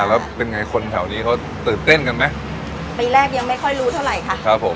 แล้วเป็นไงคนแถวนี้เขาตื่นเต้นกันไหมปีแรกยังไม่ค่อยรู้เท่าไหร่ค่ะครับผม